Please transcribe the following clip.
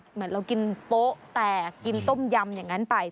เหมือนเรากินโป๊ะแตกกินต้มยำอย่างนั้นไป